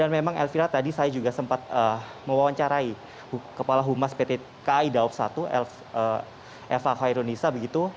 memang elvira tadi saya juga sempat mewawancarai kepala humas pt kai daob satu eva khairunisa begitu